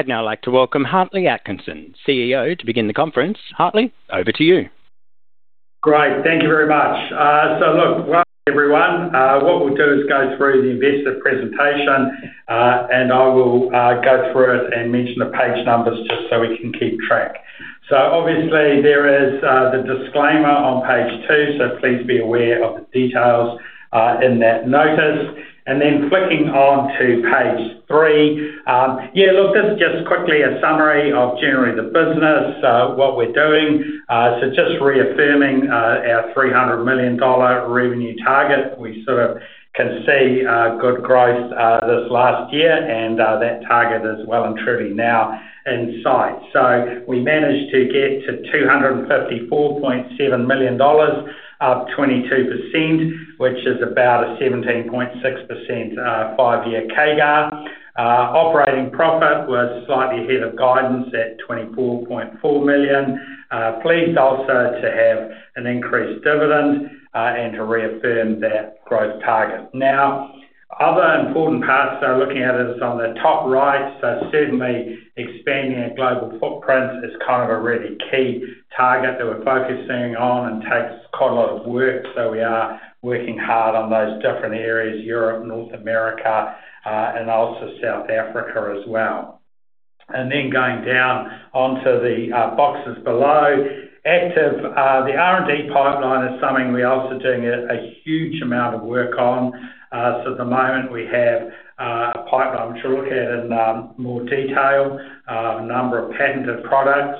I'd now like to welcome Hartley Atkinson, CEO, to begin the conference. Hartley, over to you. Great. Thank you very much. Look, welcome, everyone. What we'll do is go through the investor presentation, and I will go through it and mention the page numbers just so we can keep track. Obviously, there is the disclaimer on page two, so please be aware of the details in that notice. Flicking on to page three, this is just quickly a summary of generally the business, what we're doing. Just reaffirming our 300 million dollar revenue target. We sort of can see good growth this last year, and that target is well and truly now in sight. We managed to get to 254.7 million dollars, up 22%, which is about a 17.6% five-year CAGR. Operating profit was slightly ahead of guidance at 24.4 million. Pleased also to have an increased dividend, and to reaffirm that growth target. Other important parts, looking at it on the top right. Certainly expanding our global footprint is kind of a really key target that we're focusing on and takes quite a lot of work. We are working hard on those different areas, Europe, North America, and also South Africa as well. Going down onto the boxes below. Active, the R&D pipeline is something we're also doing a huge amount of work on. At the moment, we have a pipeline, which we'll look at in more detail, a number of patented products.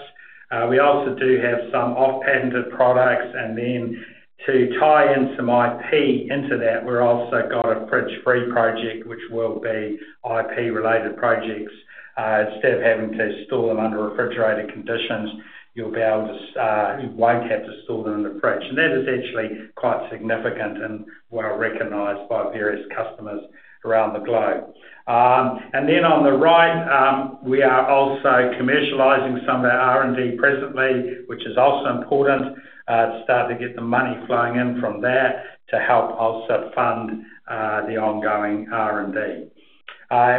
We also do have some off-patented products. To tie in some IP into that, we've also got a fridge-free project, which will be IP-related projects. Instead of having to store them under refrigerated conditions, you won't have to store them in a fridge. That is actually quite significant and well-recognized by various customers around the globe. On the right, we are also commercializing some of our R&D presently, which is also important to start to get the money flowing in from there to help also fund the ongoing R&D.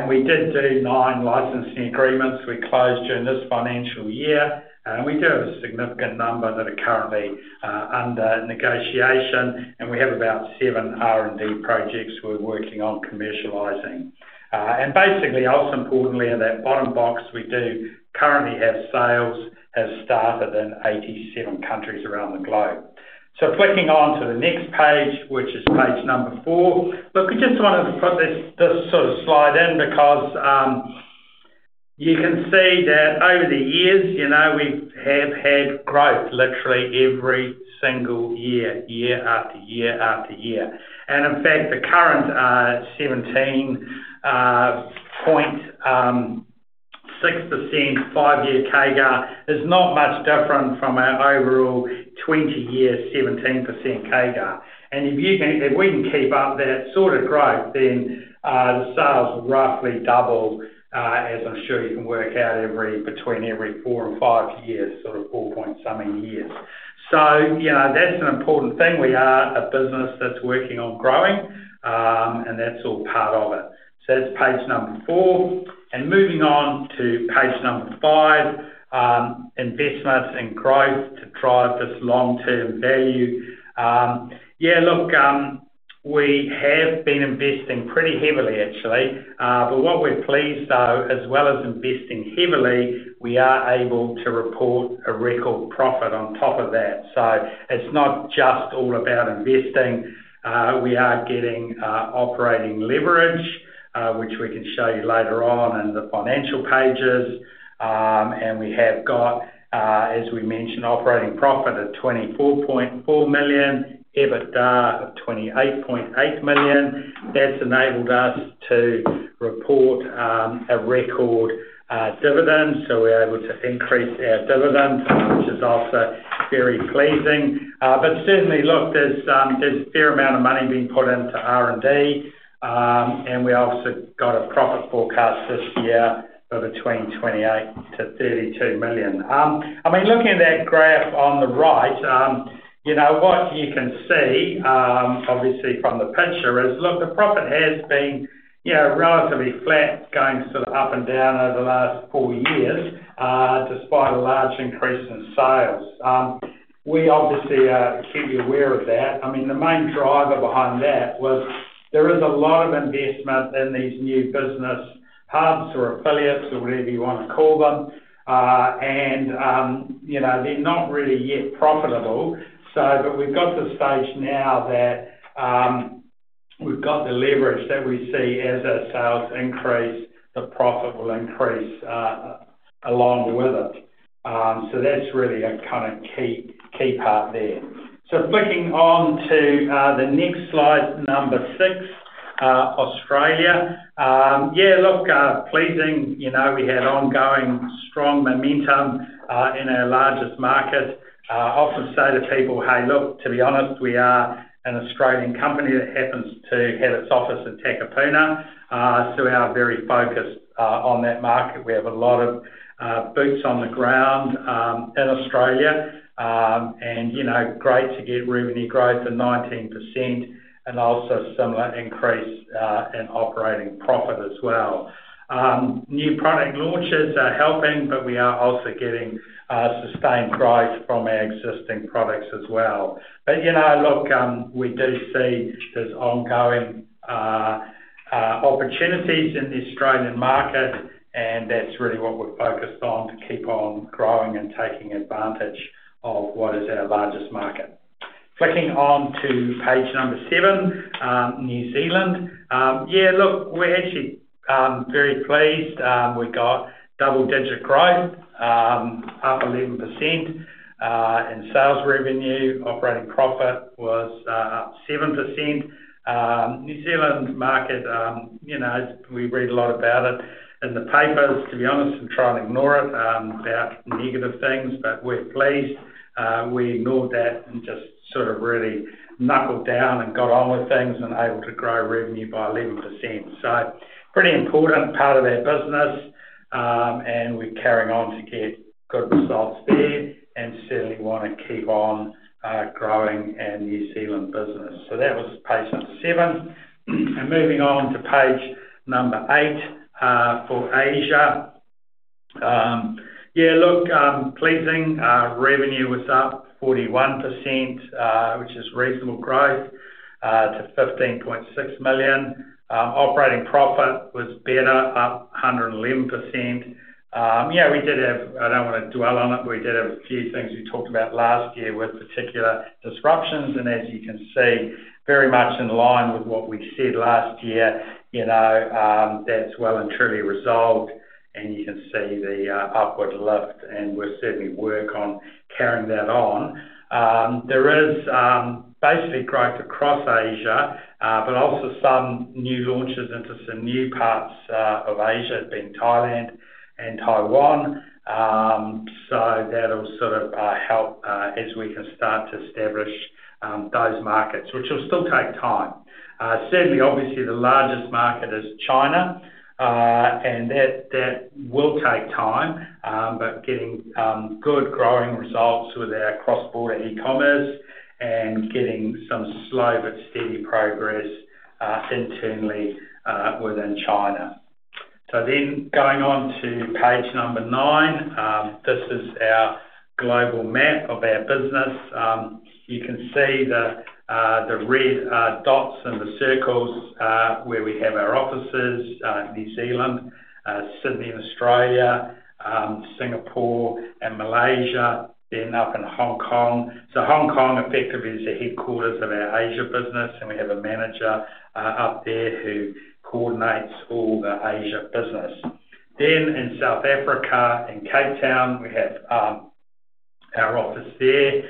We did do nine licensing agreements. We closed during this financial year. We do have a significant number that are currently under negotiation, and we have about seven R&D projects we're working on commercializing. In that bottom box, we do currently have sales have started in 87 countries around the globe. Flicking on to the next page, which is page number four. We just wanted to put this slide in because you can see that over the years, we have had growth literally every single year after year after year. In fact, the current 17.6% five-year CAGR is not much different from our overall 20-year 17% CAGR. If we can keep up that sort of growth, the sales will roughly double, as I'm sure you can work out, between every four and five years, sort of four-point something years. That's an important thing. We are a business that's working on growing, and that's all part of it. That's page number four. Moving on to page number five, investments in growth to drive this long-term value. We have been investing pretty heavily, actually. What we're pleased, though, as well as investing heavily, we are able to report a record profit on top of that. It's not just all about investing. We are getting operating leverage, which we can show you later on in the financial pages. We have got, as we mentioned, operating profit of 24.4 million, EBITDA of 28.8 million. That's enabled us to report a record dividend. We're able to increase our dividends, which is also very pleasing. Certainly, look, there's a fair amount of money being put into R&D, and we also got a profit forecast this year for between 28 million-32 million. Looking at that graph on the right, what you can see, obviously from the picture is, look, the profit has been relatively flat, going sort of up and down over the last four years, despite a large increase in sales. We obviously keep you aware of that. The main driver behind that was there is a lot of investment in these new business hubs or affiliates or whatever you want to call them. They're not really yet profitable. We've got to the stage now that we have got the leverage that we see as our sales increase, the profit will increase along with it. That's really a kind of key part there. Flicking on to the next slide, number six, Australia. Pleasing, we have ongoing strong momentum, in our largest market. I often say to people, "Hey, look, to be honest, we are an Australian company that happens to have its office in Takapuna." We are very focused on that market. We have a lot of boots on the ground in Australia. Great to get revenue growth of 19% and also a similar increase and operating profit as well. New product launches are helping, we are also getting sustained growth from our existing products as well. We do see there's ongoing opportunities in the Australian market, and that's really what we're focused on to keep on growing and taking advantage of what is our largest market. Flicking on to page number seven, New Zealand. We're actually very pleased. We got double-digit growth, up 11% in sales revenue. Operating profit was up 7%. New Zealand's market, we read a lot about it in the papers, to be honest, and try and ignore it, about negative things. We're pleased. We ignored that and just really knuckled down and got on with things, and able to grow revenue by 11%. Pretty important part of our business, and we're carrying on to get good results there and certainly want to keep on growing our New Zealand business. That was page number seven. Moving on to page number eight, for Asia. Pleasing. Revenue was up 41%, which is reasonable growth, to 15.6 million. Operating profit was better, up 111%. We did have, I don't want to dwell on it, we did have a few things we talked about last year with particular disruptions. As you can see, very much in line with what we said last year, that's well and truly resolved. You can see the upward lift. We certainly work on carrying that on. There is basically growth across Asia, also some new launches into some new parts of Asia, being Thailand and Taiwan. That'll help as we can start to establish those markets, which will still take time. Certainly, obviously, the largest market is China. That will take time. We are getting good growing results with our cross-border e-commerce and getting some slow but steady progress internally within China. Going on to page nine. This is our global map of our business. You can see the red dots and the circles where we have our offices, New Zealand, Sydney in Australia, Singapore and Malaysia, up in Hong Kong. Hong Kong effectively is the headquarters of our Asia business, and we have a manager up there who coordinates all the Asia business. In South Africa, in Cape Town, we have our office there.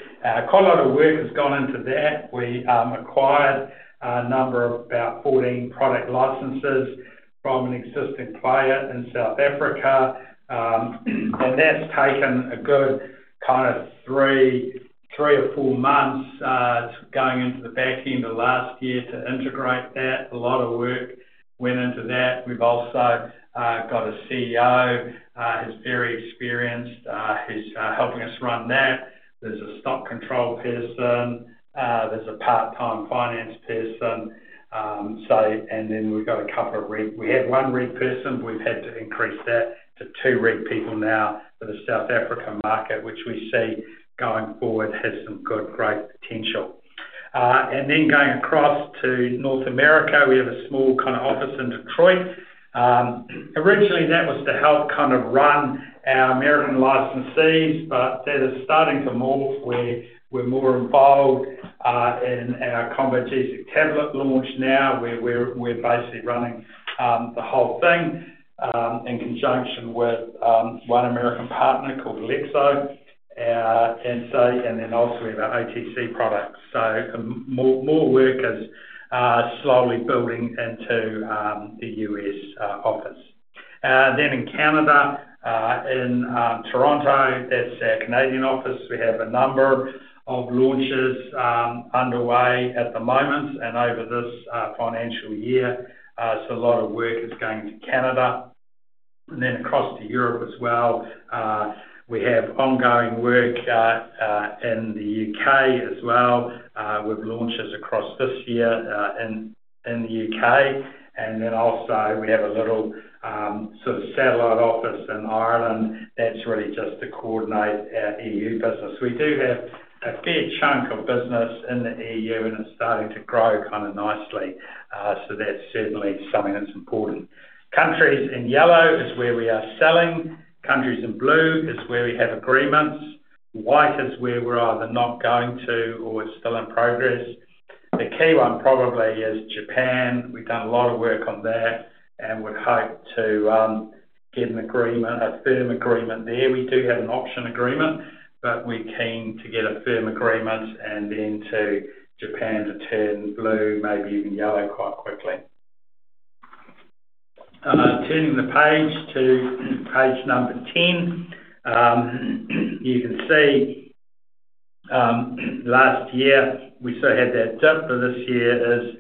Quite a lot of work has gone into that. We acquired a number of about 14 product licenses from an existing player in South Africa. That's taken a good three or four months, going into the back end of last year to integrate that. A lot of work went into that. We've also got a CEO, who's very experienced, who's helping us run that. There's a stock control person, there's a part-time finance person. We had one reg person, we've had to increase that to two reg people now for the South African market, which we see going forward has some good growth potential. Going across to North America, we have a small office in Detroit. Originally, that was to help run our American licensees, but that is starting to morph, where we're more involved in our Combogesic tablet launch now, where we're basically running the whole thing in conjunction with one American partner called Alexion. Also we have our OTC products. More work is slowly building into the U.S. office. In Canada, in Toronto, that's our Canadian office. We have a number of launches underway at the moment and over this financial year. A lot of work is going to Canada. Across to Europe as well. We have ongoing work in the U.K. as well, with launches across this year in the U.K. We have a little satellite office in Ireland. That's really just to coordinate our EU business. We do have a fair chunk of business in the EU, and it's starting to grow nicely. That's certainly something that's important. Countries in yellow is where we are selling. Countries in blue is where we have agreements. White is where we're either not going to or it's still in progress. The key one probably is Japan. We've done a lot of work on that, and we'd hope to get a firm agreement there. We do have an option agreement, but we're keen to get a firm agreement and then to Japan to turn blue, maybe even yellow quite quickly. Turning the page to page number 10. You can see last year we still had that dip, but this year is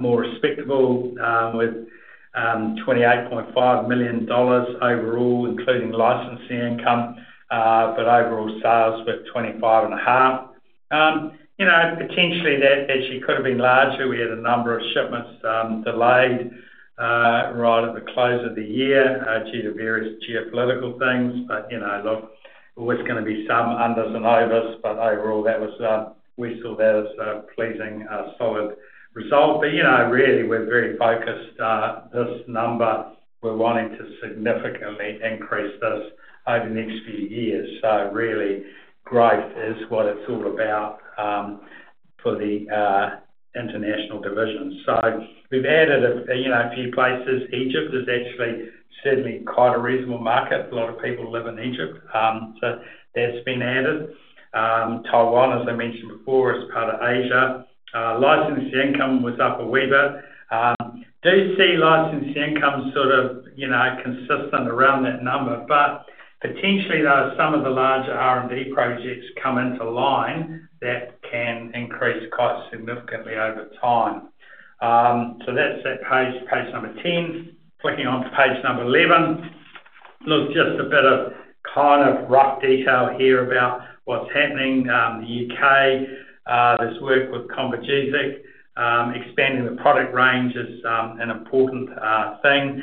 more respectable with 28.5 million dollars overall, including licensing income. Overall sales were 25 and a half. Potentially, that actually could have been larger. We had a number of shipments delayed right at the close of the year due to various geopolitical things. Look, always going to be some unders and overs, but overall, we saw that as a pleasing, solid result. Really, we're very focused. This number, we're wanting to significantly increase this over the next few years. Really, growth is what it's all about for the international division. We've added a few places. Egypt is actually certainly quite a reasonable market. A lot of people live in Egypt. That's been added. Taiwan, as I mentioned before, is part of Asia. Licensing income was up a wee bit. Licensing income consistent around that number, potentially, though, some of the larger R&D projects come into line, that can increase quite significantly over time. That's that page 10. Clicking on to page 11. Look, just a bit of rough detail here about what's happening. The U.K., this work with Combogesic, expanding the product range is an important thing.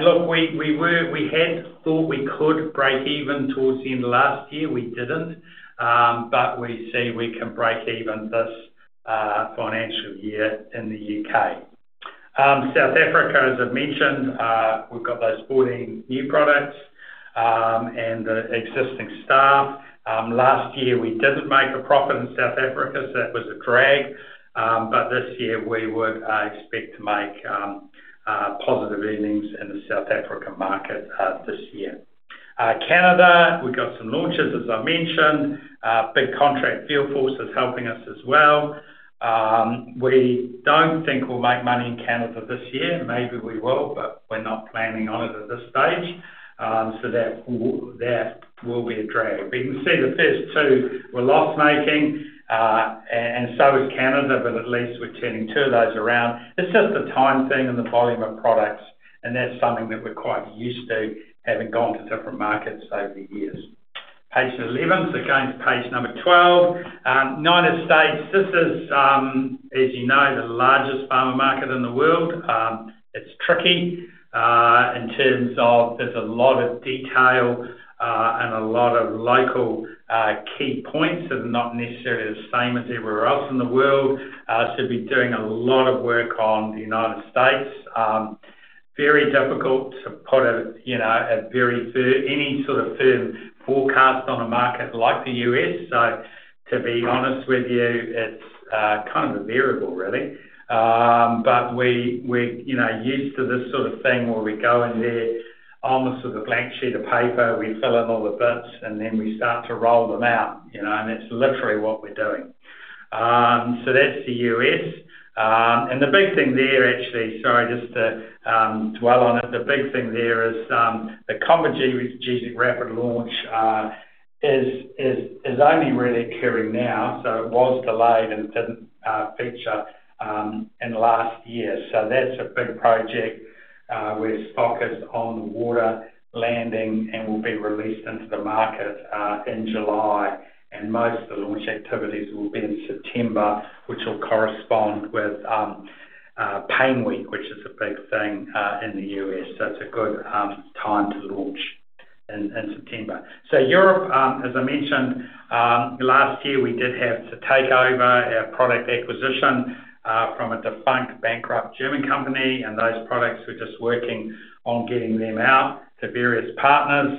Look, we had thought we could break even towards the end of last year. We didn't. We see we can break even this financial year in the U.K. South Africa, as I've mentioned, we've got those 14 new products and the existing staff. Last year, we didn't make a profit in South Africa, that was a drag. This year, we would expect to make positive earnings in the South African market this year. Canada, we've got some launches, as I mentioned. Big contract field force is helping us as well. We don't think we'll make money in Canada this year. Maybe we will, but we're not planning on it at this stage. That will be a drag. You can see the first two were loss-making, and so is Canada, but at least we're turning two of those around. It's just a time thing and the volume of products, and that's something that we're quite used to, having gone to different markets over the years. Page 11. Going to page number 12. United States, this is, as you know, the largest pharma market in the world. It's tricky in terms of there's a lot of detail and a lot of local key points that are not necessarily the same as everywhere else in the world. Been doing a lot of work on the United States. Very difficult to put any sort of firm forecast on a market like the U.S. To be honest with you, it's kind of a variable, really. We're used to this sort of thing where we go in there almost with a blank sheet of paper, we fill in all the bits, and then we start to roll them out. That's literally what we're doing. That's the U.S. The big thing there, actually, sorry, just to dwell on it, the big thing there is the Combogesic Rapid launch is only really occurring now. It was delayed and didn't feature in the last year. That's a big project. We're focused on the wider launch and will be released into the market in July, and most of the launch activities will be in September, which will correspond with PAINWeek, which is a big thing in the U.S. It's a good time to launch in September. Europe, as I mentioned, last year, we did have to take over our product acquisition from a defunct, bankrupt German company, and those products, we're just working on getting them out to various partners.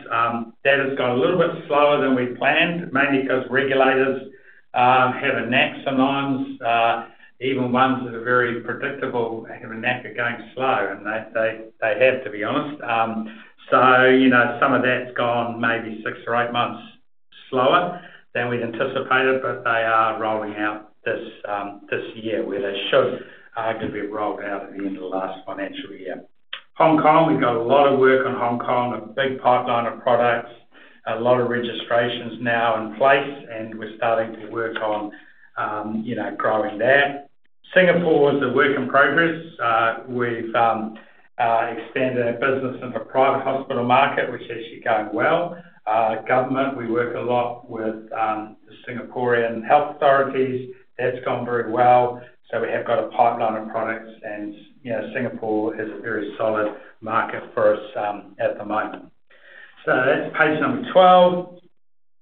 That has gone a little bit slower than we'd planned, mainly because regulators have a knack sometimes, even ones that are very predictable, have a knack of going slow, and they have, to be honest. Some of that's gone maybe six or eight months slower than we'd anticipated, but they are rolling out this year, where they should have been rolled out at the end of the last financial year. Hong Kong, we've got a lot of work on Hong Kong, a big pipeline of products, a lot of registrations now in place, and we're starting to work on growing that. Singapore is a work in progress. We've expanded our business into the private hospital market, which is actually going well. Government, we work a lot with the Singaporean health authorities. That's gone very well. We have got a pipeline of products, and Singapore is a very solid market for us at the moment. That's page 12.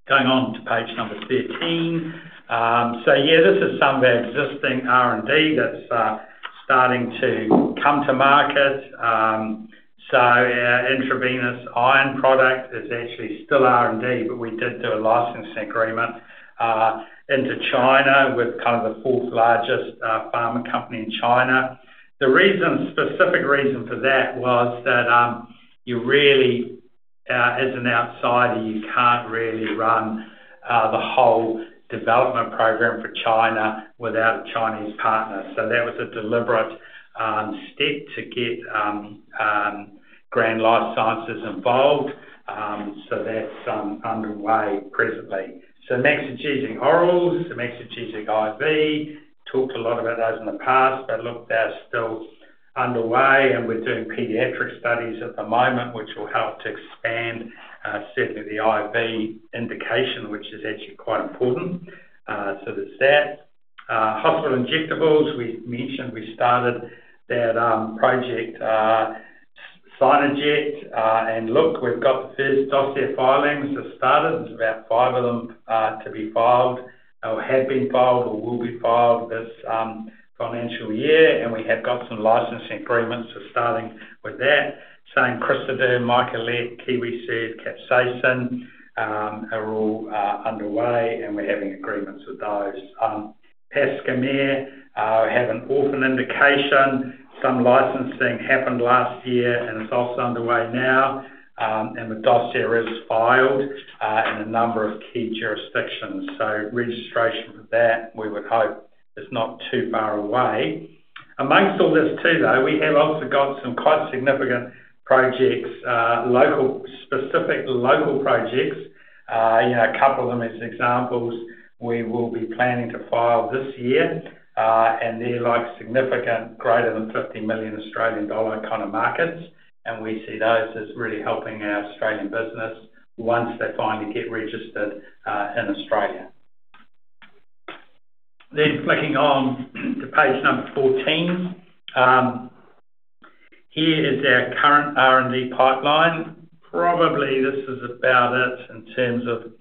Going on to page 13. Yeah, this is some of our existing R&D that's starting to come to market. Our intravenous iron product is actually still R&D, but we did do a licensing agreement into China with kind of the fourth largest pharma company in China. The specific reason for that was that as an outsider, you can't really run the whole development program for China without a Chinese partner. That was a deliberate step to get Grand Life Sciences involved. That's underway presently. Maxigesic oral, Maxigesic IV, talked a lot about those in the past. Look, they're still underway, and we're doing pediatric studies at the moment, which will help to expand certainly the IV indication, which is actually quite important. There's that. Hospital injectables, we mentioned we started that project, SINAJET. Look, we've got the first dossier filings have started. There's about five of them to be filed, or have been filed, or will be filed this financial year. We have got some licensing agreements, starting with that. In Crystaderm, Micolette, Kiwisoothe, capsaicin are all underway and we're having agreements with those. Pascomer, we have an orphan indication. Some licensing happened last year, and it's also underway now. The dossier is filed in a number of key jurisdictions. Registration for that, we would hope is not too far away. Amongst all this too, though, we have also got some quite significant projects, specific local projects. A couple of them as examples, we will be planning to file this year. They're significant greater than 50 million Australian dollar kind of markets, and we see those as really helping our Australian business once they finally get registered in Australia. Flicking on to page 14. Here is our current R&D pipeline. Probably this is about it in terms of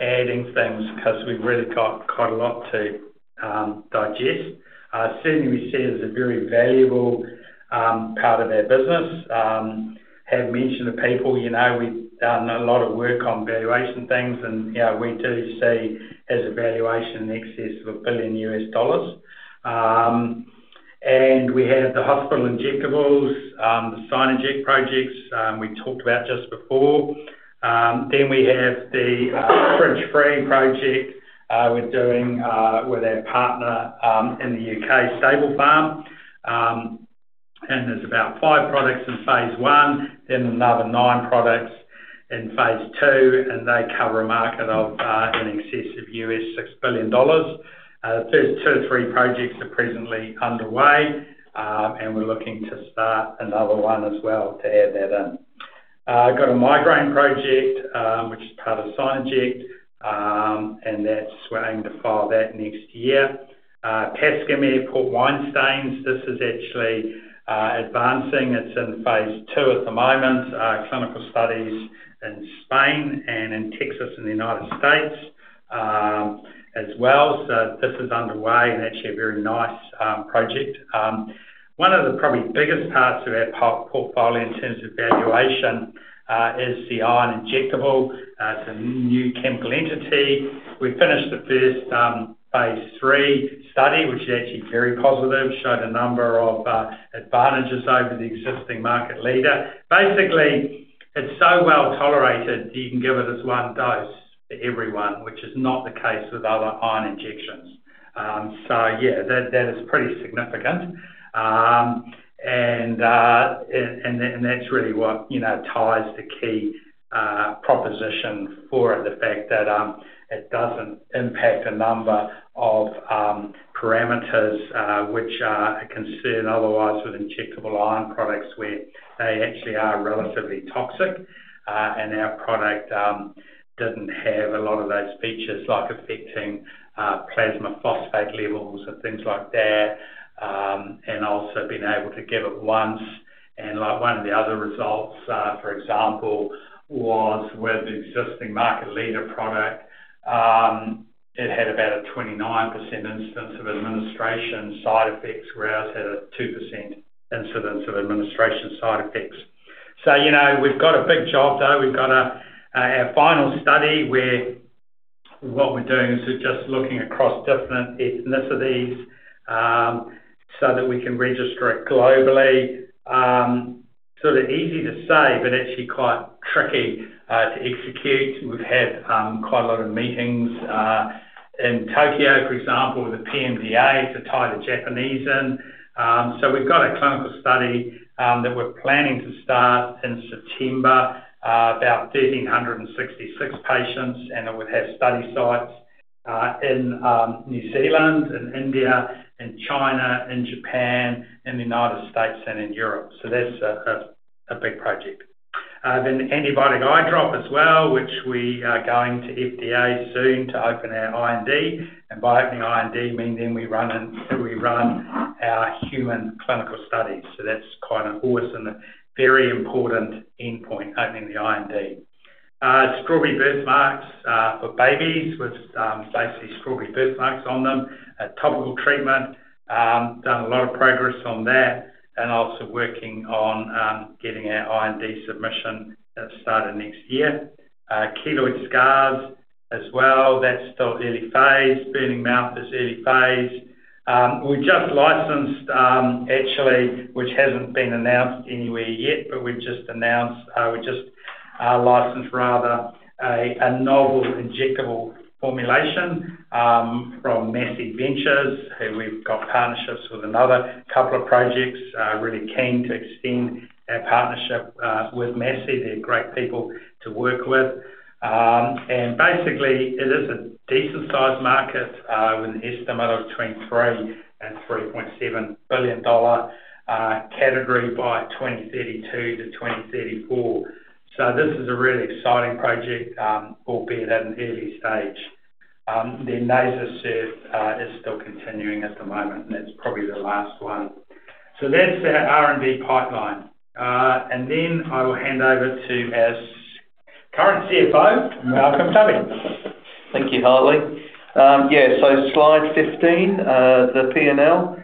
adding things, because we've really got quite a lot to digest. Certainly, we see it as a very valuable part of our business. Have mentioned to people, we've done a lot of work on valuation things, and we do see as a valuation in excess of $1 billion. We have the hospital injectables, the SINAJET projects we talked about just before. We have the fridge free project we're doing with our partner in the U.K., Stablepharma. There's about five products in phase I, then another nine products in phase II, and they cover a market of in excess of $6 billion. The first two or three projects are presently underway, and we're looking to start another one as well to add that in. Got a migraine project, which is part of SINAJET, that's we're aiming to file that next year. Pascomer for wine stains, this is actually advancing. It's in phase II at the moment, clinical studies in Spain and in Texas in the U.S. as well. This is underway, and actually a very nice project. One of the probably biggest parts of our portfolio in terms of valuation is the iron injectable. It's a new chemical entity. We finished the first phase III study, which is actually very positive, showed a number of advantages over the existing market leader. Basically, it's so well-tolerated you can give it as one dose for everyone, which is not the case with other iron injections. Yeah, that is pretty significant, and that's really what ties the key proposition for it, the fact that it doesn't impact a number of parameters, which are a concern otherwise with injectable iron products where they actually are relatively toxic. Our product doesn't have a lot of those features like affecting plasma phosphate levels or things like that, and also being able to give it once. One of the other results, for example, was with the existing market leader product, it had about a 29% instance of administration side effects, where ours had a 2% incidence of administration side effects. We've got a big job, though. We've got our final study where what we're doing is we're just looking across different ethnicities, so that we can register it globally. Sort of easy to say, but actually quite tricky to execute. We've had quite a lot of meetings in Tokyo, for example, with the PMDA to tie the Japanese in. We've got a clinical study that we're planning to start in September, about 1,366 patients, and it would have study sites in New Zealand, in India, in China, in Japan, in the U.S., and in Europe. The antibiotic eye drop as well, which we are going to FDA soon to open our IND. By opening IND, meaning we run our human clinical studies. That's kind of for us, a very important endpoint, opening the IND. Strawberry birthmarks for babies with basically strawberry birthmarks on them, a topical treatment. Done a lot of progress on that and also working on getting our IND submission started next year. Keloid scars as well, that's still early phase. Burning mouth is early phase. We just licensed, actually, which hasn't been announced anywhere yet, but we just licensed rather, a novel injectable formulation from Massey Ventures, who we've got partnerships with another couple of projects. Really keen to extend our partnership with Massey. They're great people to work with. Basically, it is a decent-sized market with an estimate of between 3 million-3.7 billion dollar category by 2032-2034. This is a really exciting project, albeit at an early stage. NasoSURF is still continuing at the moment. That's our R&D pipeline. I will hand over to our current CFO, Malcolm Tubby. Thank you, Hartley. Yeah. Slide 15, the P&L.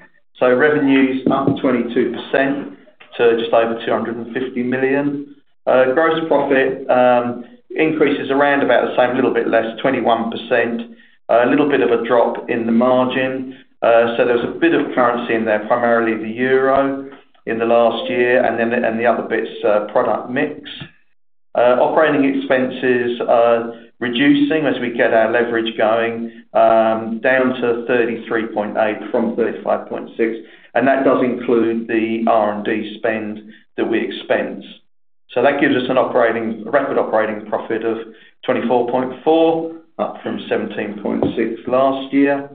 Revenues up 22% to just over 250 million. Gross profit increase is around about the same, little bit less, 21%. A little bit of a drop in the margin. There's a bit of currency in there, primarily the euro in the last year, and the other bit's product mix. Operating expenses are reducing as we get our leverage going, down to 33.8% from 35.6%, and that does include the R&D spend that we expense. That gives us a record operating profit of 24.4, up from 17.6 last year.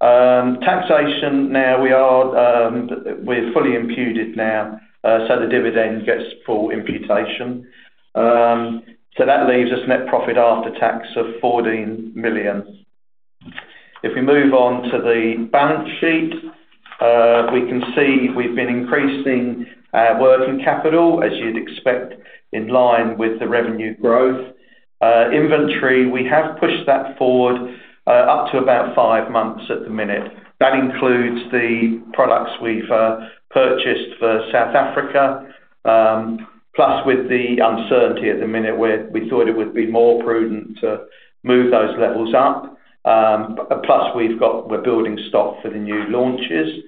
Taxation, now we're fully imputed now, the dividend gets full imputation. That leaves us net profit after tax of 14 million. If we move on to the balance sheet, we can see we've been increasing our working capital, as you'd expect, in line with the revenue growth. Inventory, we have pushed that forward up to about five months at the minute. That includes the products we've purchased for South Africa. With the uncertainty at the minute, we thought it would be more prudent to move those levels up. We're building stock for the new launches.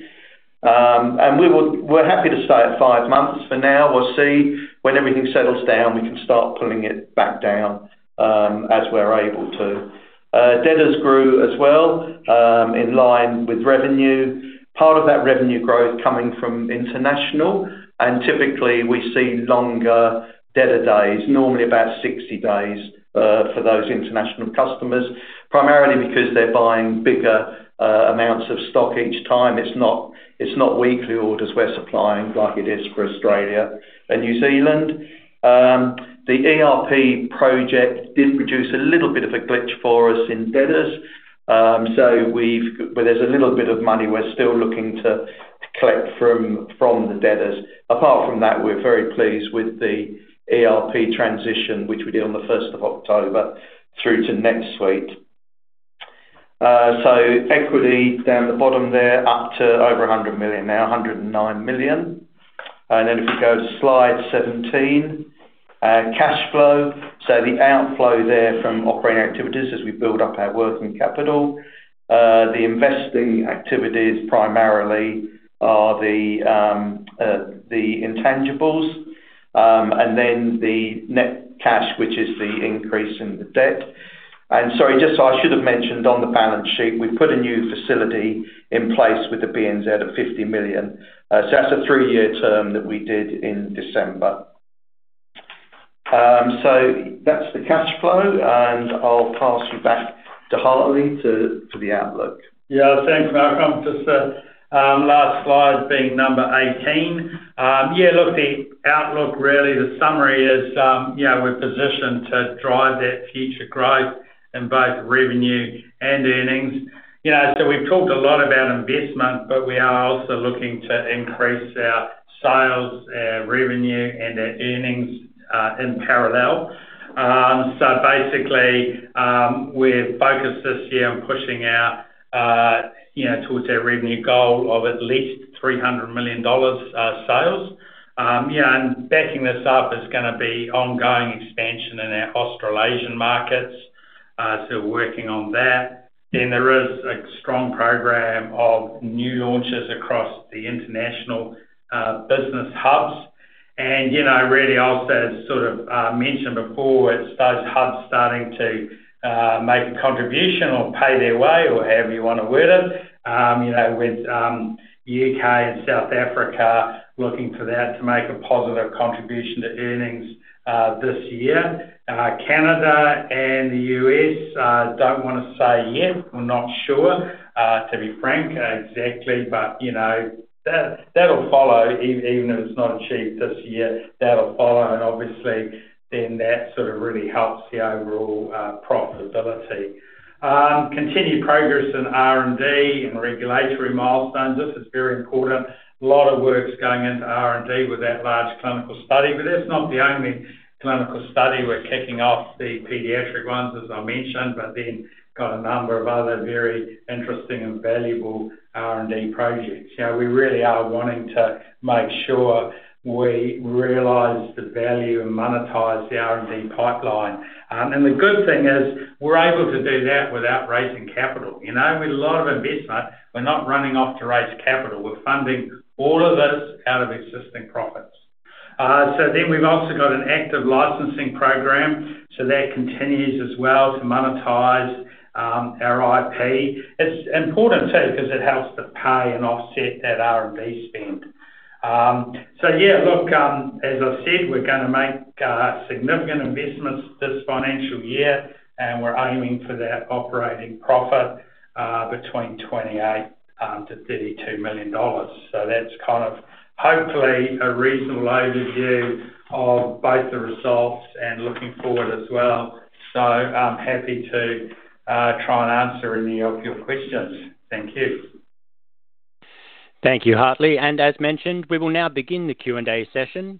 We're happy to stay at five months for now. We'll see when everything settles down, we can start pulling it back down, as we're able to. Debtors grew as well, in line with revenue, part of that revenue growth coming from international. Typically, we see longer debtor days, normally about 60 days, for those international customers, primarily because they're buying bigger amounts of stock each time. It's not weekly orders we're supplying like it is for Australia and New Zealand. The ERP project did produce a little bit of a glitch for us in debtors. There's a little bit of money we're still looking to collect from the debtors. Apart from that, we're very pleased with the ERP transition, which we did on the 1st of October, through to NetSuite. Equity down the bottom there, up to over 100 million now, 109 million. If we go to slide 17. Cash flow, the outflow there from operating activities as we build up our working capital. The investing activities primarily are the intangibles, and then the net cash, which is the increase in the debt. Sorry, I should have mentioned on the balance sheet, we put a new facility in place with the BNZ of 50 million. That's a three-year term that we did in December. That's the cash flow, and I'll pass you back to Hartley to the outlook. Yeah. Thanks, Malcolm. Just the last slide being number 18. Yeah, look, the outlook really, the summary is we're positioned to drive that future growth in both revenue and earnings. We've talked a lot about investment, but we are also looking to increase our sales, our revenue, and our earnings in parallel. Basically, we're focused this year on pushing towards our revenue goal of at least 300 million dollars sales. Backing this up is going to be ongoing expansion in our Australasian markets. We're working on that. There is a strong program of new launches across the international business hubs. Really also, as sort of mentioned before, it's those hubs starting to make a contribution or pay their way or however you want to word it, with U.K. and South Africa looking for that to make a positive contribution to earnings this year. Canada and the U.S., don't want to say yet. We're not sure, to be frank exactly, but that'll follow even if it's not achieved this year. That'll follow obviously then that sort of really helps the overall profitability. Continued progress in R&D and regulatory milestones. This is very important. A lot of work's going into R&D with that large clinical study, but that's not the only clinical study. We're kicking off the pediatric ones, as I mentioned, but then got a number of other very interesting and valuable R&D projects. We really are wanting to make sure we realize the value and monetize the R&D pipeline. The good thing is we're able to do that without raising capital. With a lot of investment, we're not running off to raise capital. We're funding all of this out of existing profits. We've also got an active licensing program, so that continues as well to monetize our IP. It's important too, because it helps to pay and offset that R&D spend. Yeah, look, as I've said, we're going to make significant investments this financial year, and we're aiming for that operating profit between 28 million-32 million dollars. Hopefully, a reasonable overview of both the results and looking forward as well. I'm happy to try and answer any of your questions. Thank you. Thank you, Hartley. As mentioned, we will now begin the Q&A session.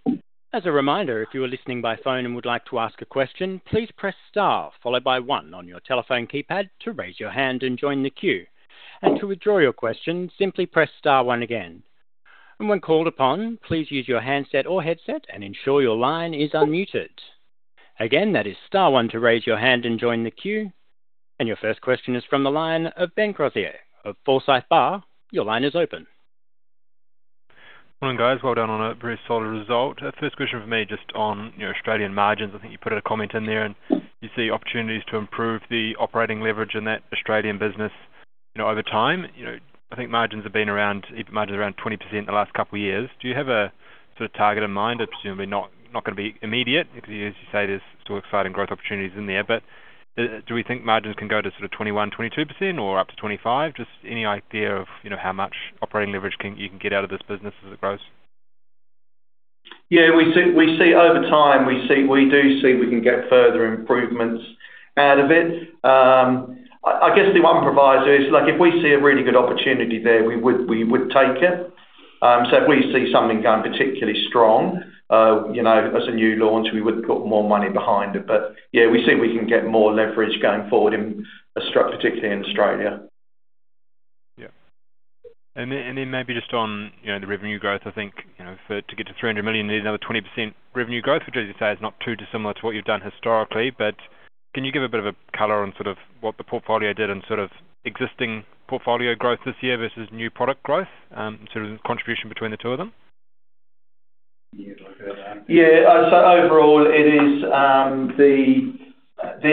Your first question is from the line of Ben Crozier of Forsyth Barr. Your line is open. Morning, guys. Well done on a very solid result. First question from me just on your Australian margins. I think you put a comment in there, you see opportunities to improve the operating leverage in that Australian business over time. I think margins have been around 20% the last couple of years. Do you have a target in mind? It's presumably not going to be immediate because as you say, there's still exciting growth opportunities in there. Do we think margins can go to 21%, 22% or up to 25%? Just any idea of how much operating leverage you can get out of this business as it grows? Yeah, over time, we do see we can get further improvements out of it. I guess the one proviso is, if we see a really good opportunity there, we would take it. If we see something going particularly strong, as a new launch, we would put more money behind it. Yeah, we see we can get more leverage going forward, particularly in Australia. Yeah. Maybe just on the revenue growth, I think to get to 300 million, you need another 20% revenue growth, which as you say, is not too dissimilar to what you've done historically. Can you give a bit of a color on what the portfolio did and existing portfolio growth this year versus new product growth, in contribution between the two of them? Yeah. Overall, the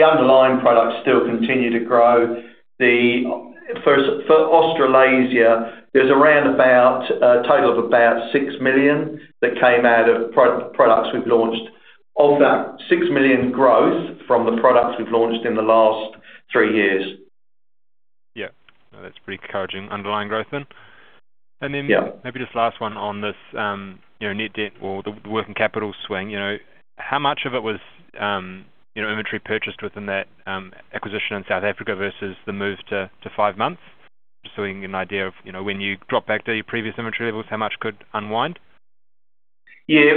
underlying products still continue to grow. For Australasia, it was around about a total of about 6 million that came out of products we’ve launched. Of that, 6 million growth from the products we’ve launched in the last three years. Yeah. No, that's pretty encouraging underlying growth then. Yeah. Maybe just last one on this net debt or the working capital swing. How much of it was inventory purchased within that acquisition in South Africa versus the move to five months? Just so we can get an idea of when you drop back to your previous inventory levels, how much could unwind. Yeah, it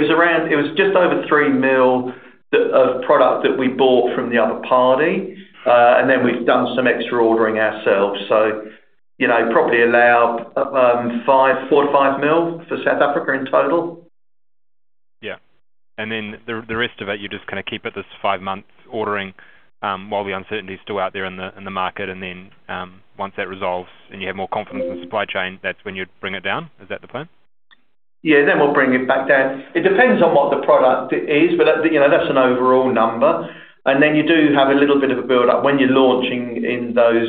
was just over 3 million of product that we bought from the other party. Then we've done some extra ordering ourselves. Probably allow 4 million-5 million for South Africa in total. Yeah. The rest of it, you just keep it this five months ordering, while the uncertainty is still out there in the market. Once that resolves and you have more confidence in supply chain, that's when you'd bring it down. Is that the plan? Yeah. We'll bring it back down. It depends on what the product is. That's an overall number. You do have a little bit of a build up when you're launching in those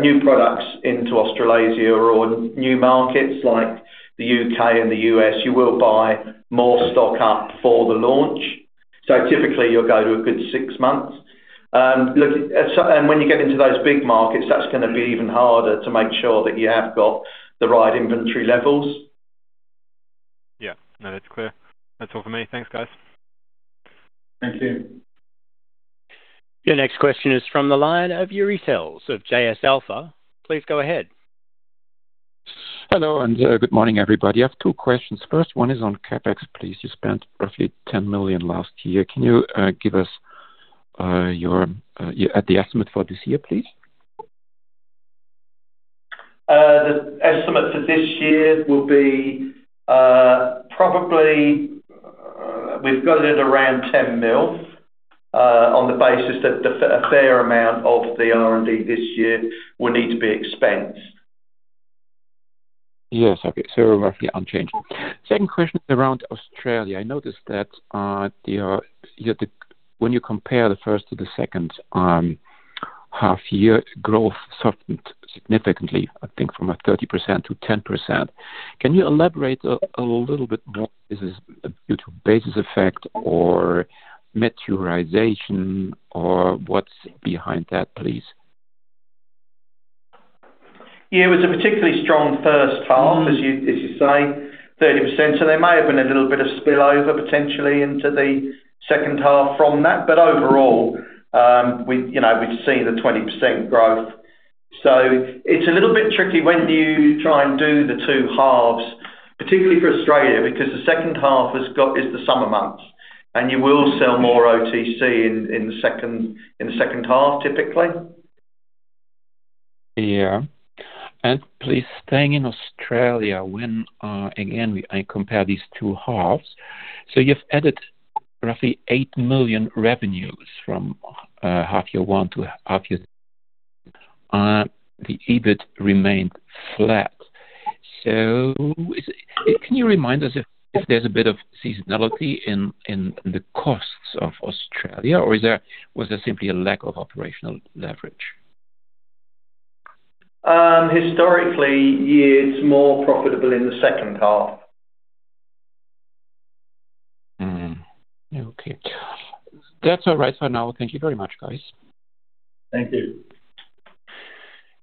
new products into Australasia or new markets like the U.K. and the U.S. You will buy more stock up for the launch. Typically, you'll go to a good six months. When you get into those big markets, that's going to be even harder to make sure that you have got the right inventory levels. Yeah. No, that's clear. That's all from me. Thanks, guys. Thank you. Your next question is from the line of Juri Tels of JS Alpha. Please go ahead. Hello, and good morning, everybody. I have two questions. First one is on CapEx, please. You spent roughly 10 million last year. Can you give us the estimate for this year, please? The estimate for this year will be probably, we've got it at around 10 million, on the basis that a fair amount of the R&D this year will need to be expensed. Yes. Okay. Roughly unchanged. Second question is around Australia. I noticed that when you compare the first to the second half year, growth softened significantly, I think from a 30% to 10%. Can you elaborate a little bit more? Is this due to basis effect or maturation, or what's behind that, please? Yeah, it was a particularly strong first half, as you say, 30%. There may have been a little bit of spillover potentially into the second half from that. Overall, we've seen the 20% growth. It's a little bit tricky when you try and do the two halves, particularly for Australia, because the second half is the summer months, and you will sell more OTC in the second half, typically. Yeah. Please, staying in Australia, when again, I compare these two halves. You've added roughly 8 million revenues from half year one to half year two. The EBIT remained flat. Can you remind us if there's a bit of seasonality in the costs of Australia, or was there simply a lack of operational leverage? Historically, yeah, it's more profitable in the second half. Okay. That's all right for now. Thank you very much, guys. Thank you.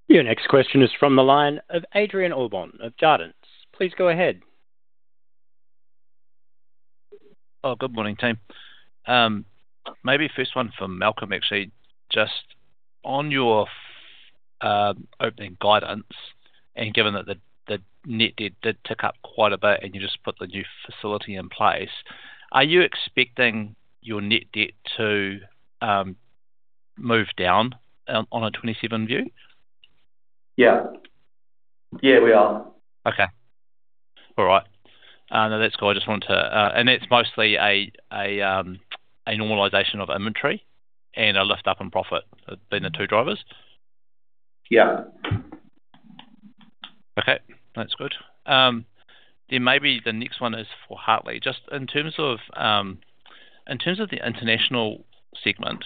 Your next question is from the line of Adrian Allbon of Jarden. Please go ahead. Good morning, team. Maybe first one for Malcolm, actually. Just on your opening guidance, and given that the net debt did tick up quite a bit and you just put the new facility in place, are you expecting your net debt to move down on a 2027 view? Yeah. Yeah, we are. Okay. All right. No, that's cool. That's mostly a normalization of inventory and a lift up in profit, been the two drivers? Yeah. Okay. That is good. Maybe the next one is for Hartley. Just in terms of the international segment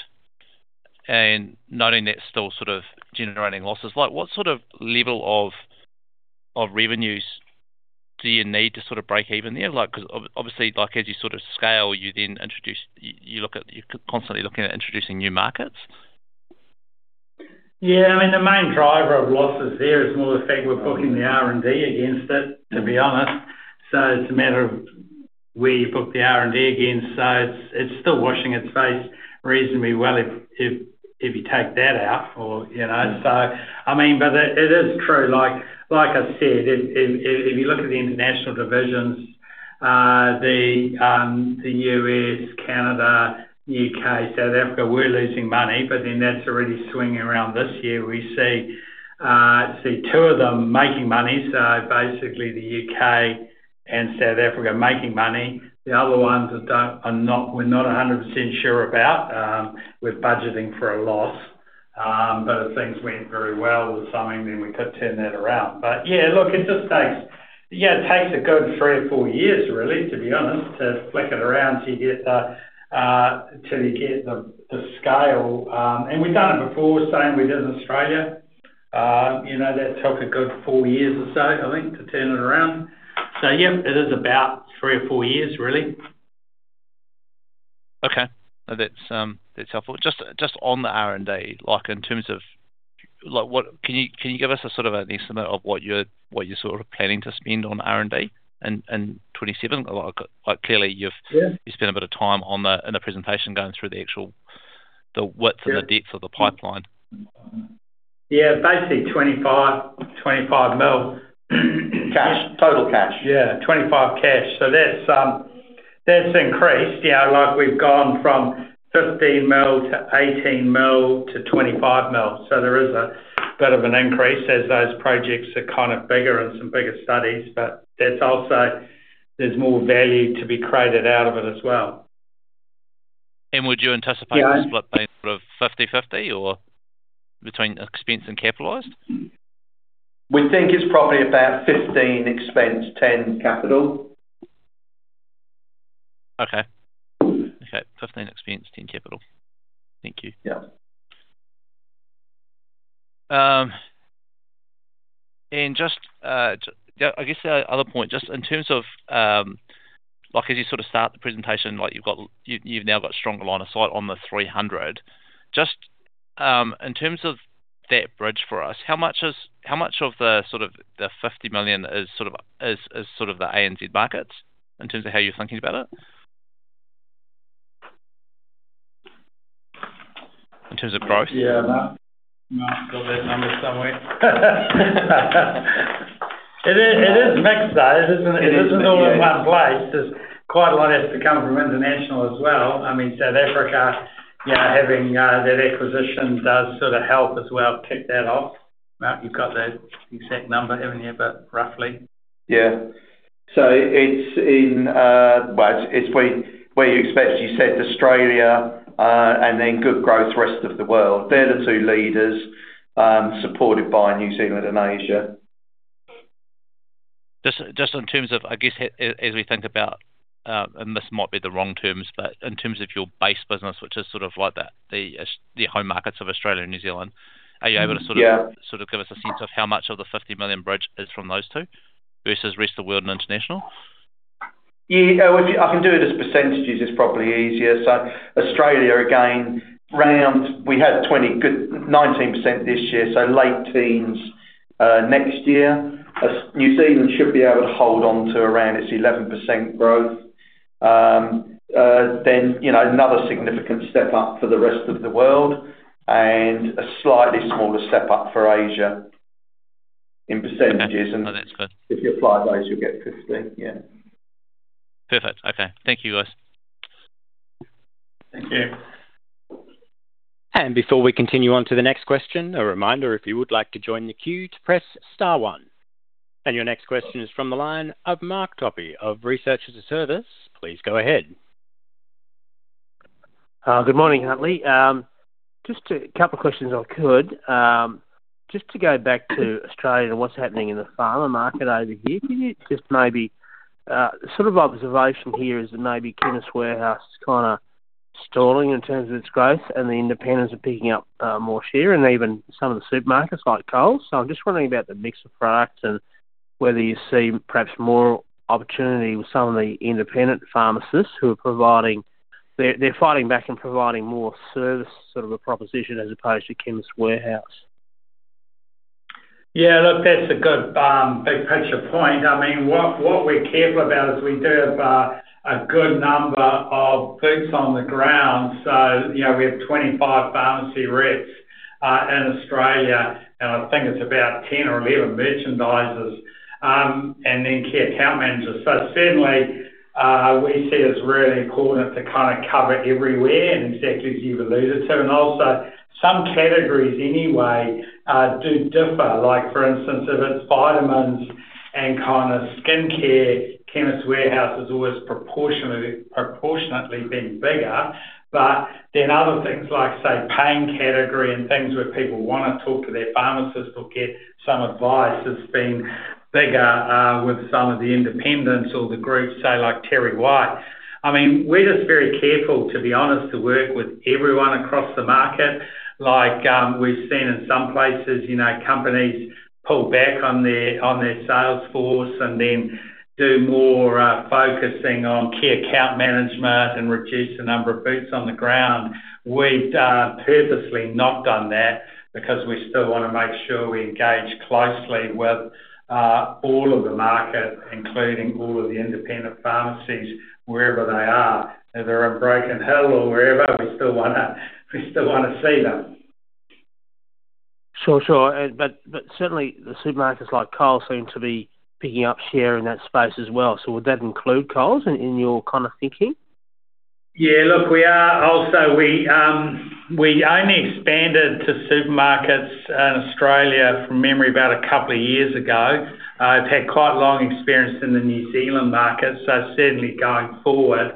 and noting that is still generating losses, what sort of level of revenues do you need to break even there? Because obviously, as you scale, you are constantly looking at introducing new markets. Yeah. The main driver of losses there is more the fact we're booking the R&D against it, to be honest. It's a matter of where you book the R&D against. It's still washing its face reasonably well if you take that out. It is true. Like I said, if you look at the international divisions, the U.S., Canada, U.K., South Africa, we're losing money, but then that's already swinging around this year. We see two of them making money, so basically the U.K. and South Africa are making money. The other ones we're not 100% sure about. We're budgeting for a loss. If things went very well with something, then we could turn that around. Yeah, look, it just takes a good three or four years really, to be honest, to flick it around till you get the scale. We've done it before, same we did in Australia. That took a good four years or so, I think, to turn it around. Yeah, it is about three or four years really. Okay. No, that's helpful. Just on the R&D, can you give us an estimate of what you're planning to spend on R&D in 2027? Yeah Spent a bit of time in the presentation going through the actual, the widths and the depths of the pipeline. Yeah. Basically 25 million. 25 million. Cash. Total cash. Yeah, 25 million cash. That's increased. We've gone from 15 million-NZD-18 million-NZD 25 million. There is a bit of an increase as those projects are bigger and some bigger studies, but there's more value to be created out of it as well. And would you anticipate- Yeah the split being 50/50 between expense and capitalized? We think it's probably about 15% expense, 10% capital. Okay. 15 expense, 10 capital. Thank you. Yeah. Just, I guess the other point, just in terms of as you start the presentation, you've now got stronger line of sight on the 300 million. Just in terms of that bridge for us, how much of the 50 million is the ANZ markets in terms of how you're thinking about it in terms of growth? Yeah. Mark's got that number somewhere. It is mixed, though. It is mixed, yeah. all in one place. There's quite a lot has to come from international as well. South Africa, having that acquisition does help as well, tick that off. Mark, you've got the exact number, haven't you? Roughly. Yeah. It's where you expect, as you said, Australia, and then good growth rest of the world. They're the two leaders, supported by New Zealand and Asia. Just in terms of, I guess, as we think about, and this might be the wrong terms, but in terms of your base business, which is the home markets of Australia and New Zealand. Yeah Are you able to give us a sense of how much of the 50 million bridge is from those two versus rest of the world and international? Yeah. I can do it as percentage. It's probably easier. Australia, again, we had 20 good, 19% this year, so late teens next year. New Zealand should be able to hold on to around its 11% growth. Another significant step up for the rest of the world and a slightly smaller step up for Asia in percentage. Okay. No, that's good. If you apply those, you'll get 50%. Yeah. Perfect. Okay. Thank you guys. Thank you. Before we continue on to the next question, a reminder, if you would like to join the queue, to press star one. Your next question is from the line of Mark Topy of Research as a Service. Please go ahead. Good morning, Hartley. Just a couple questions if I could. Just to go back to Australia and what's happening in the pharma market over here. Can you just maybe, sort of observation here is that maybe Chemist Warehouse is stalling in terms of its growth, and the independents are picking up more share, and even some of the supermarkets like Coles. I'm just wondering about the mix of products and whether you see perhaps more opportunity with some of the independent pharmacists. They're fighting back and providing more service sort of a proposition as opposed to Chemist Warehouse. Yeah, look, that's a good big picture point. What we're careful about is we do have a good number of boots on the ground. We have 25 pharmacy reps in Australia, and I think it's about 10 or 11 merchandisers, and then key account managers. Certainly, we see it's really important to cover everywhere, and exactly as you've alluded to. Also some categories anyway do differ. Like for instance, if it's vitamins and skincare, Chemist Warehouse has always proportionately been bigger. Other things like, say, pain category and things where people want to talk to their pharmacist or get some advice, it's been bigger with some of the independents or the groups, say like TerryWhite Chemmart. We're just very careful, to be honest, to work with everyone across the market. We've seen in some places, companies pull back on their sales force and then do more focusing on key account management and reduce the number of boots on the ground. We've purposely not done that because we still want to make sure we engage closely with all of the market, including all of the independent pharmacies, wherever they are. If they're in Broken Hill or wherever, we still want to see them. Sure. Certainly the supermarkets like Coles seem to be picking up share in that space as well. Would that include Coles in your kind of thinking? Yeah. Look, we only expanded to supermarkets in Australia from memory about two years ago. We've had quite long experience in the New Zealand market, so certainly going forward,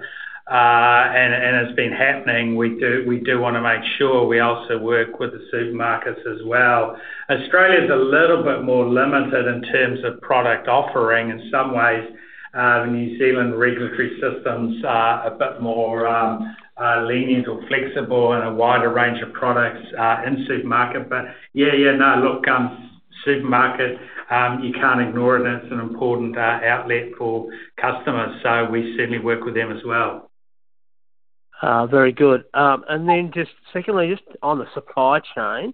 and it's been happening. We do want to make sure we also work with the supermarkets as well. Australia's a little bit more limited in terms of product offering. In some ways, the New Zealand regulatory systems are a bit more lenient or flexible and a wider range of products are in supermarket. Yeah. No, look, supermarket, you can't ignore it and it's an important outlet for customers, so we certainly work with them as well. Very good. Just secondly, just on the supply chain.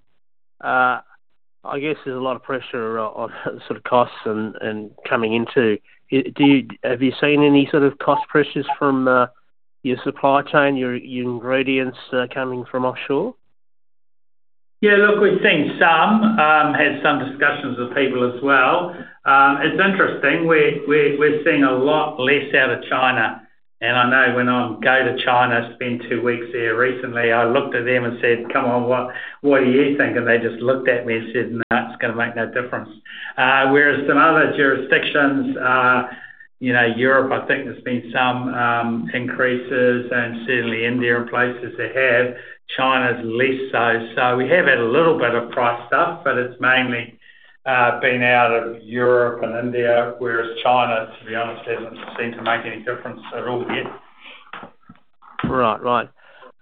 I guess there's a lot of pressure on sort of costs and coming into. Have you seen any sort of cost pressures from your supply chain, your ingredients coming from offshore? Yeah, look, we've seen some. Had some discussions with people as well. It's interesting, we're seeing a lot less out of China. I know when I go to China, spend two weeks there recently, I looked at them and said, "Come on, what are you thinking?" They just looked at me and said, "No, it's going to make no difference." Some other jurisdictions, Europe, I think there's been some increases, certainly India and places they have. China's less so. We have had a little bit of price stuff, it's mainly been out of Europe and India, whereas China, to be honest, hasn't seemed to make any difference at all yet. Right.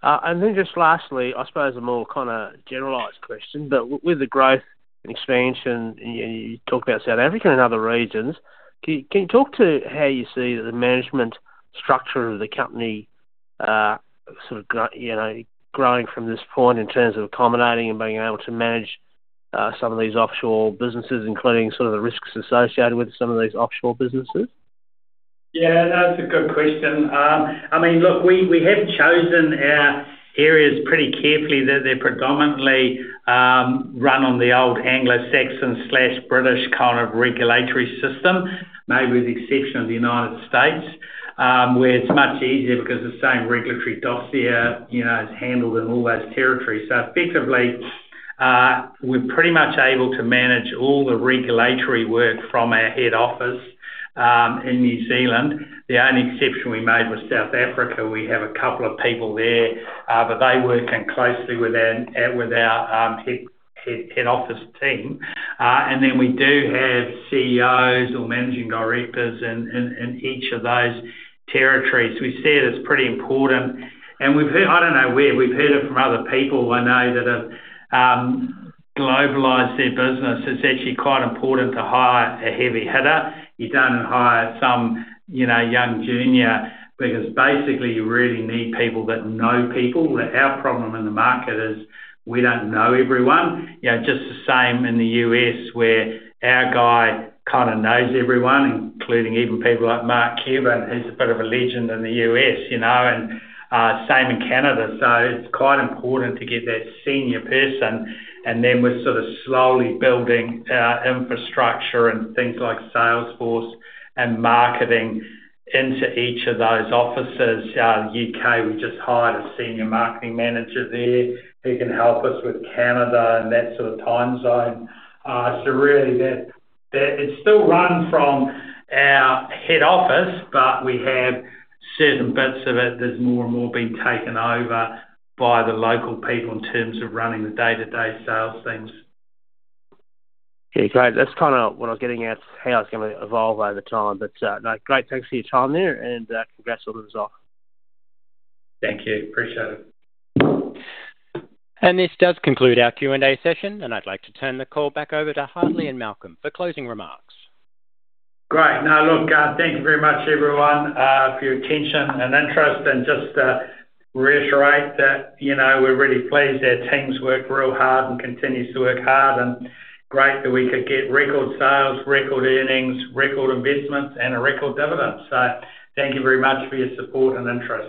Then just lastly, I suppose a more kind of generalized question. With the growth and expansion, you talk about South Africa and other regions, can you talk to how you see the management structure of the company growing from this point in terms of accommodating and being able to manage some of these offshore businesses, including sort of the risks associated with some of these offshore businesses? Yeah, that's a good question. Look, we have chosen our areas pretty carefully. They're predominantly run on the old Anglo-Saxon/British kind of regulatory system. Maybe with the exception of the United States, where it's much easier because the same regulatory dossier is handled in all those territories. Effectively, we're pretty much able to manage all the regulatory work from our head office in New Zealand. The only exception we made was South Africa. We have a couple of people there, but they work in closely with our head office team. We do have CEOs or managing directors in each of those territories. We see it as pretty important, and I don't know where, we've heard it from other people I know that have globalized their business. It's actually quite important to hire a heavy hitter. You don't hire some young junior, because basically you really need people that know people. Our problem in the market is we don't know everyone. Just the same in the U.S. where our guy kind of knows everyone, including even people like Mark Cuban, who's a bit of a legend in the U.S., and same in Canada. It's quite important to get that senior person, and then we're sort of slowly building our infrastructure and things like sales force and marketing into each of those offices. U.K., we just hired a senior marketing manager there who can help us with Canada and that sort of time zone. Really that it's still run from our head office, but we have certain bits of it that's more and more being taken over by the local people in terms of running the day-to-day sales things. Okay, great. That's kind of what I was getting at, how it's going to evolve over time. No, great. Thanks for your time there and congrats on the result. Thank you. Appreciate it. This does conclude our Q&A session, and I'd like to turn the call back over to Hartley and Malcolm for closing remarks. Great. Thank you very much everyone, for your attention and interest. Just to reiterate that we are really pleased our team has worked real hard and continues to work hard. Great that we could get record sales, record earnings, record investments and a record dividend. Thank you very much for your support and interest.